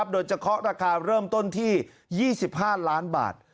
จะเคาะราคาเริ่มต้นที่๒๕ล้านบาท